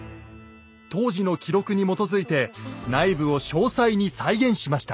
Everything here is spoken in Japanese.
当時の記録に基づいて内部を詳細に再現しました。